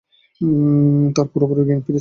তার পুরোপুরি জ্ঞান ফিরেছে।